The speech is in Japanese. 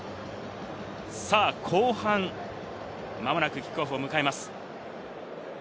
さぁ後半、間もなくキックオフを迎えます。